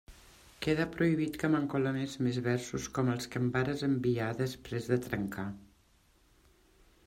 Queda prohibit que m'encolomes més versos com els que em vares enviar després de trencar.